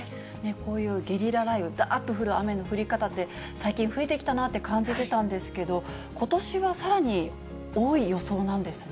こういうゲリラ雷雨、ざーっと降る雨の降り方って、最近増えてきたなって感じてたんですけれども、ことしはさらに多そうなんです。